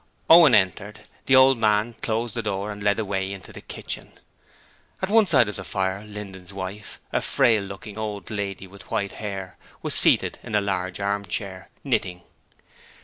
Owen entered; the old man closed the door and led the way into the kitchen. At one side of the fire, Linden's wife, a frail looking old lady with white hair, was seated in a large armchair, knitting.